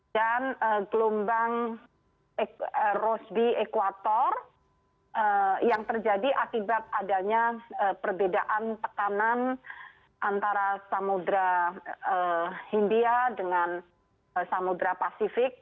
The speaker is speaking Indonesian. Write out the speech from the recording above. dan gelombang rosby equator yang terjadi akibat adanya perbedaan tekanan antara samudera hindia dengan samudera pasifik